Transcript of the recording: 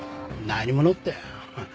何者って。